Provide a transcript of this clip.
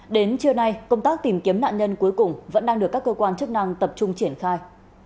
đến trưa nay công tác tìm kiếm nạn nhân cuối cùng vẫn đang được các cơ quan chức năng tập trung triển khai